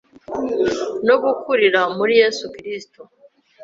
no gukurira muri Yesu Kirisitu